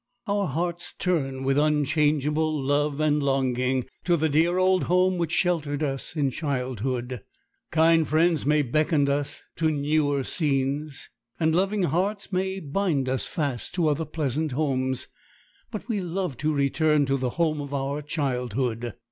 Our hearts turn with unchangeable love and longing to the dear old home which sheltered us in childhood. Kind friends may beckon us to newer scenes, and loving hearts may bind us fast to other pleasant homes; but we love to return to the home of our childhood.